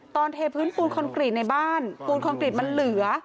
เทพื้นปูนคอนกรีตในบ้านปูนคอนกรีตมันเหลือ